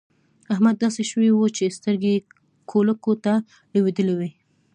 احمد داسې شوی وو چې سترګې يې کولکو ته لوېدلې وې.